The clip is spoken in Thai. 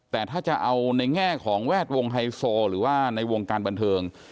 แต่ถ้าจะเอาในแง่ของแวดวงไฮโซหรือว่าในวงการบันเทิง